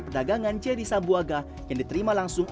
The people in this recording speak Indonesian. perdagangan jerry sabuaga yang diterima langsung